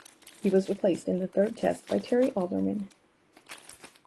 He was replaced in the third test by Terry Alderman.